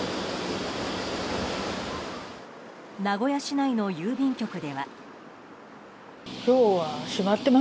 名古屋市内の郵便局では。